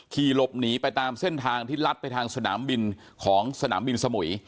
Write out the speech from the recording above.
ขี่หลบหนีไปตามเส้นทางที่ลัดไปทางสนามบินของสนามบินสมุย